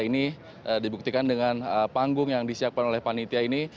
ini dibuktikan dengan panggung yang disiapkan oleh panitia ini